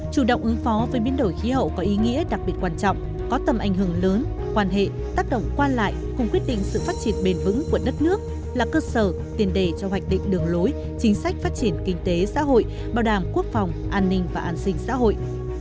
chủ động ứng phó với biến đổi khí hậu có ý nghĩa đặc biệt quan trọng có tầm ảnh hưởng lớn quan hệ tác động quan lại cùng quyết định sự phát triển bền vững của đất nước là cơ sở tiền đề cho hoạch định đường lối chính sách phát triển kinh tế xã hội bảo đảm quốc phòng an ninh và an sinh xã hội